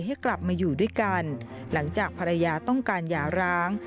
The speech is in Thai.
ให้กลับมาอยู่ด้วยกันหลังจากภรรยาต้องการหย่าร้าง